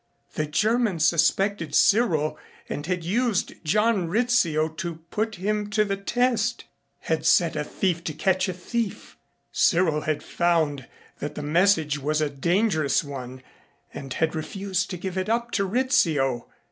The Germans suspected Cyril and had used John Rizzio to put him to the test had set a thief to catch a thief. Cyril had found that the message was a dangerous one and had refused to give it up to Rizzio.